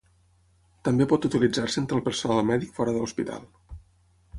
També pot utilitzar-se entre el personal mèdic fora de l'hospital.